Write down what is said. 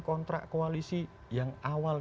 kontrak koalisi yang awal